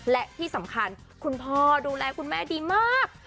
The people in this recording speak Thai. และที่สำคัญคุณพ่อดูแลคุณแม่ดีมาก